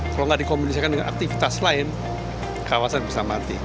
kalau nggak dikomunikasikan dengan aktivitas lain kawasan bisa mati